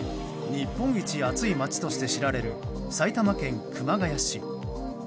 日本一暑いまちとして知られる埼玉県熊谷市。